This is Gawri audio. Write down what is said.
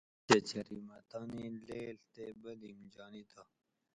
کہ چری مہ تانی لیڷ تے بلیم جانی تہ